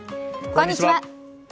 こんにちは。